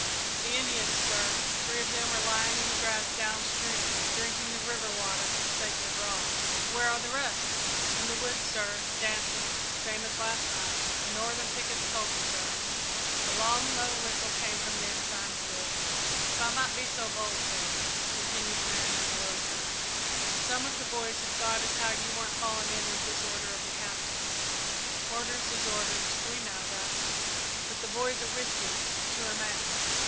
"The Indians, sir. Three of them are lying in the grass downstream, drinking the river water for the sake of the grog." "Where are the rest?" "In the woods, sir, dancing, same as last night. The northern pickets told me, sir." A long, low whistle came from the Ensign's lips. "If I might be so bold, sir," continued the man, in a low tone, "some of the boys have thought as how you weren't falling in with this order of the Cap'n's. Orders is orders we know that but the boys are with you, to a man.